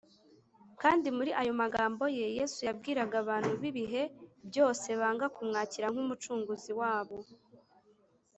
kandi muri aya magambo ye, yesu yabwiraga abantu b’ibihe byose banga kumwakira nk’umucunguzi wabo